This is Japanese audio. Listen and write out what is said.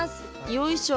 よいしょ。